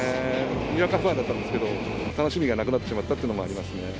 にわかファンだったんですけど、楽しみがなくなってしまったというのがありますね。